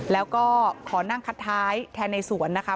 แล้วก็ขอนั่งคัดท้ายแทนในสวนนะคะ